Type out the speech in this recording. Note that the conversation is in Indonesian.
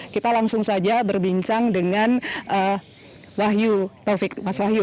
kita langsung saja berbincang dengan wahyu taufik mas wahyu